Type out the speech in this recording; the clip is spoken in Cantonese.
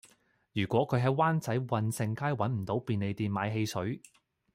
如果佢喺灣仔運盛街搵唔到便利店買汽水